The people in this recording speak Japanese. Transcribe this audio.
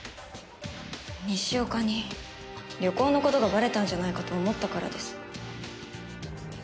西岡に旅行の事がばれたんじゃないかと思ったからです。